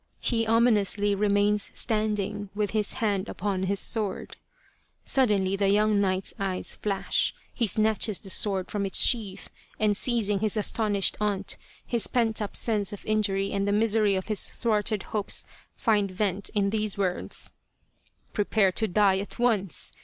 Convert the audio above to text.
He ominously remains standing with his hand upon his sword. Suddenly the young knight's eyes flash, he snatches the sword from its sheath, and seizing his astonished aunt, his pent up sense of injury and the misery of his thwarted hopes find vent in these words :" Prepare to die at once